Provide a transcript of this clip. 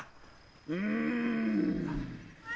うん。